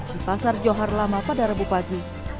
di pasar johar lama pada rabu pagi